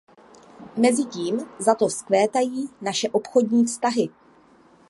Mezitím zato vzkvétají naše obchodní vztahy.